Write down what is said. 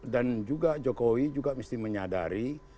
dan juga jokowi juga mesti menyadari